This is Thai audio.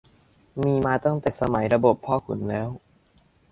มีมาตั้งแต่สมัยระบบพ่อขุนแล้ว